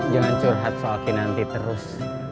jangan curhat soal kinanti terus